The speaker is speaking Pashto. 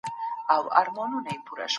ده د پښتنو ملي غورځنګ پیل کړ